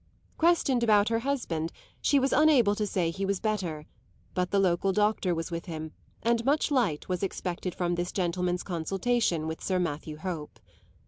Questioned about her husband she was unable to say he was better; but the local doctor was with him, and much light was expected from this gentleman's consultation with Sir Matthew Hope.